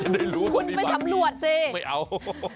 จะได้รู้ว่าคนนี้บ้างนี่ไม่เอาคุณเป็นสำรวจจริง